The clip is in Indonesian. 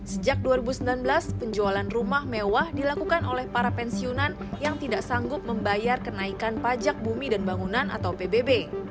sejak dua ribu sembilan belas penjualan rumah mewah dilakukan oleh para pensiunan yang tidak sanggup membayar kenaikan pajak bumi dan bangunan atau pbb